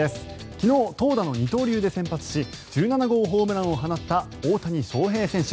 昨日、投打の二刀流で先発し１７号ホームランを放った大谷翔平選手。